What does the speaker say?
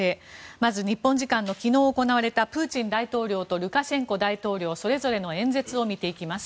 まず、日本時間の昨日行われたプーチン大統領とルカシェンコ大統領それぞれの演説を見ていきます。